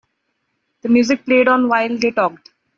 The music played on while they talked.